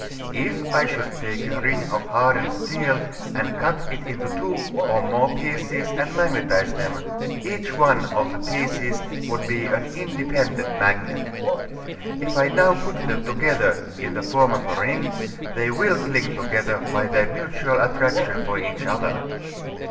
If I should take a ring of hardened steel and cut it into two or more pieces and magnetize them, each one of the pieces would be an independent magnet. If now I put them together in the form of a ring they will cling together by their mutual attraction for each other.